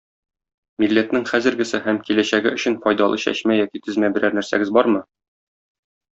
Милләтнең хәзергесе һәм киләчәге өчен файдалы чәчмә яки тезмә берәр нәрсәгез бармы?